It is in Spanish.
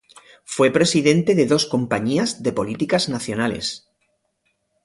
Fue presidente de dos compañías de políticas nacionales.